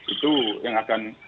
itu yang akan